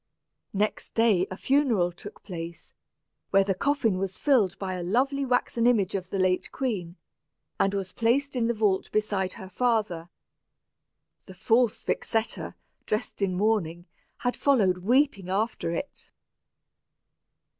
Next day a funeral took place, when the coffin was filled by a lovely waxen image of the late queen, and was placed in the vault beside her father. The false Vixetta, dressed in mourning, had followed weeping after it.